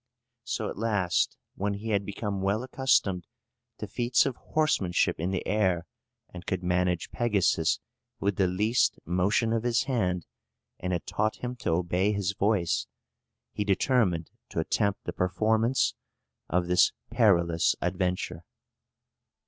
So, at last, when he had become well accustomed, to feats of horsemanship in the air, and could manage Pegasus with the least motion of his hand, and had taught him to obey his voice, he determined to attempt the performance of this perilous adventure.